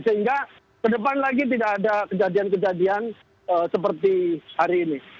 sehingga ke depan lagi tidak ada kejadian kejadian seperti hari ini